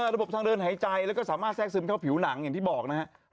ระบบทางเดินหายใจแล้วก็สามารถแทรกซึมเข้าผิวหนังอย่างที่บอกนะครับ